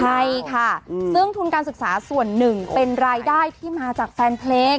ใช่ค่ะซึ่งทุนการศึกษาส่วนหนึ่งเป็นรายได้ที่มาจากแฟนเพลง